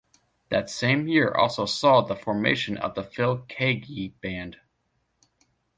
That same year also saw the formation of the Phil Keaggy Band.